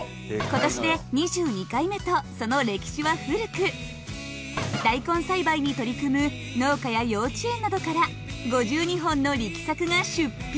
今年で２２回目とその歴史は古く大根栽培に取り組む農家や幼稚園などから５２本の力作が出品。